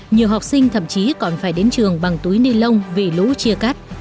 nhiều học sinh thậm chí còn phải đến trường bằng túi ni lông vì lũ chia cắt